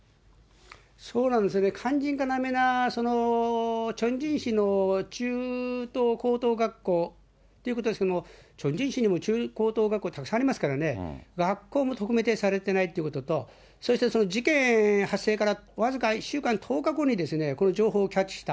そうなんですね、肝心要なチョンジン市の中央高等学校ということですけれども、チョンジン市にも中央高等学校たくさんありますからね、学校も特定されてないということと、そして、その事件発生から僅か１週間、１０日後にこの情報をキャッチした。